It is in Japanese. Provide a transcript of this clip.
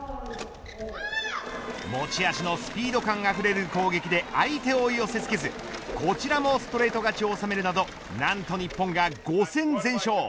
持ち味のスピード感あふれる攻撃で相手を寄せ付けずこちらもストレート勝ちを収めるなどなんと日本が５戦全勝。